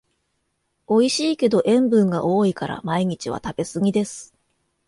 おいしいけど塩分が多いから毎日は食べすぎです